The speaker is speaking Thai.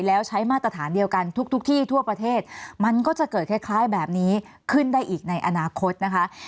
แล้วใช้มาตรฐานเดียวกันทุกที่ทั่วประเทศมันก็จะเกิดคล้ายแบบนี้ขึ้นได้อีกในอนาคตนะคะ